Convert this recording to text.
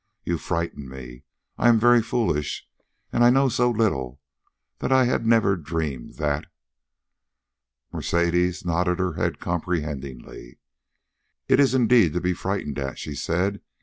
"You frighten me. I am very foolish, and I know so little, that I had never dreamed... THAT." Mercedes nodded her head comprehendingly. "It is indeed to be frightened at," she said.